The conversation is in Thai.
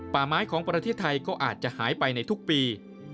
ป่าไม้ของประเทศไทยก็อาจจะหายไปในทุกปี